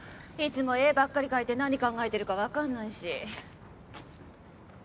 いつも絵ばっかり描いて何考えてるかわかんないし。